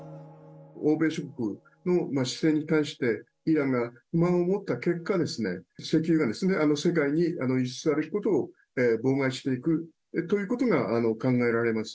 欧米諸国の姿勢に対して、イランが不満を持った結果、石油が世界に輸出されることを妨害していくということが考えられます。